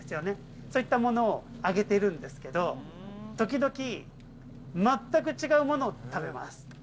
そういったものをあげてるんですけど、時々全く違うものを食べます。